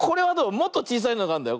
もっとちいさいのがあるんだよ。